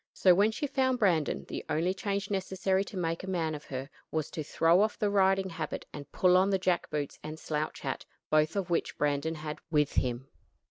So when she found Brandon, the only change necessary to make a man of her was to throw off the riding habit and pull on the jack boots and slouch hat, both of which Brandon had with him.